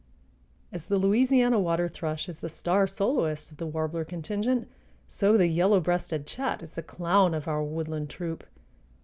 As the Louisiana water thrush is the star soloist of the warbler contingent, so the yellow breasted chat is the clown of our woodland troupe.